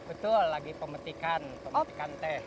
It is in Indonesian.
betul lagi pemetikan pemetikan teh